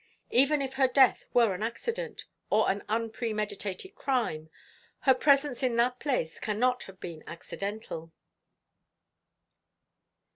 Even if her death were an accident, or an unpremeditated crime, her presence in that place cannot have been accidental."